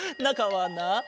なかはな